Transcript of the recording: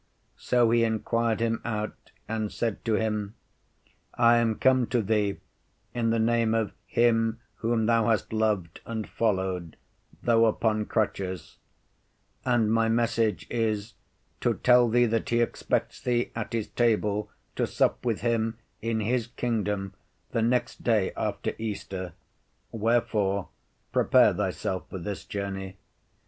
So he inquired him out, and said to him, I am come to thee in the name of Him whom thou hast loved and followed, though upon crutches; and my message is to tell thee that he expects thee at his table to sup with him in his kingdom the next day after Easter, wherefore prepare thyself for this journey.